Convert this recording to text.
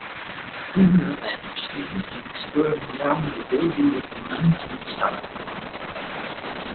In revenge, the Vikings burned down the building with the nuns inside.